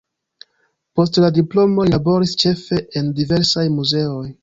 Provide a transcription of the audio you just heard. Post la diplomo li laboris ĉefe en diversaj muzeoj.